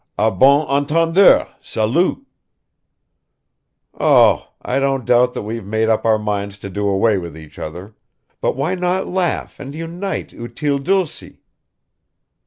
A bon entendeur, salut!" "Oh! I don't doubt that we've made up our minds to do away with each other; but why not laugh and unite utile dulci?